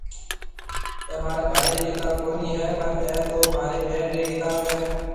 اَي مهاريَ ڀائي رِي ڪتاب ڪونَي هيَ پر اَي تو مهارِي ٻين رِي ڪتاب هيَ۔